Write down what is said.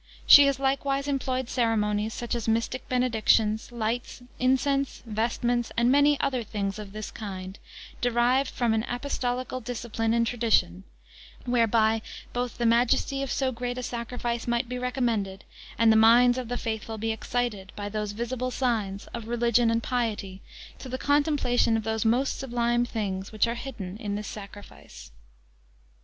She has likewise employed ceremonies, such as mystic benedictions, lights, incense, vestments, and many other things of this kind, derived from an apostolical discipline and tradition, whereby both the majesty of so great a sacrifice might be recommended, and the minds of the faithful be excited, by those visible signs of religion and piety, to the contemplation of those most sublime things which are hidden in this sacrifice.